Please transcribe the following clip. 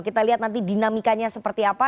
kita lihat nanti dinamikanya seperti apa